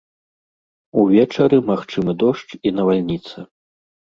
Увечары магчымы дождж і навальніца.